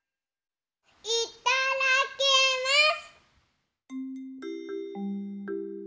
いただきます！